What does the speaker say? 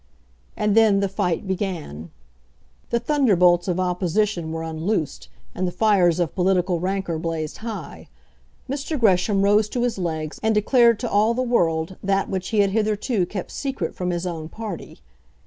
And then the fight began. The thunderbolts of opposition were unloosed, and the fires of political rancour blazed high. Mr. Gresham rose to his legs, and declared to all the world that which he had hitherto kept secret from his own party.